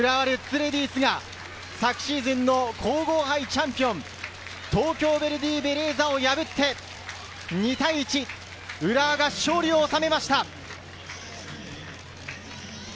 レディースが昨シーズンの皇后杯チャンピオン、東京ヴェルディベレーザを破って２対１、浦和が勝利を収めました。